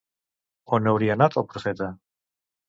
On hauria anat el profeta?